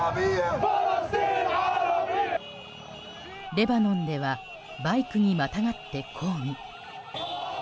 レバノンではバイクにまたがって抗議。